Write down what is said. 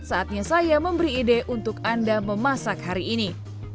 saatnya saya memberi ide untuk anda memasak hari ini